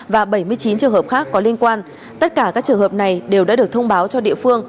và bảy mươi chín trường hợp khác có liên quan tất cả các trường hợp này đều đã được thông báo cho địa phương